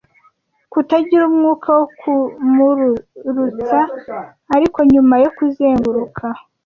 kutagira umwuka wo kumururutsa. Ariko nyuma yo kuzenguruka